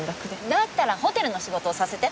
だったらホテルの仕事をさせて。